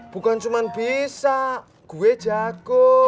bukan cuma bisa gue jago